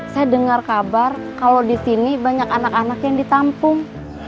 saya dengar kabar kalau di sini banyak anak anak yang ditampung